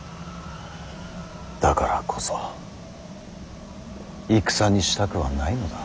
だからこそ戦にしたくはないのだ。